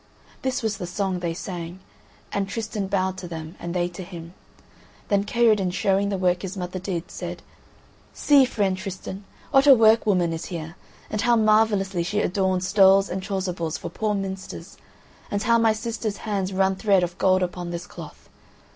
This was the song they sang. And Tristan bowed to them, and they to him. Then Kaherdin, showing the work his mother did, said: "See, friend Tristan, what a work woman is here, and how marvellously she adorns stoles and chasubles for the poor minsters, and how my sister's hands run thread of gold upon this cloth.